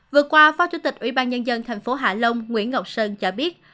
vừa qua phó chủ tịch ủy ban nhân dân thành phố hạ long nguyễn ngọc sơn cho biết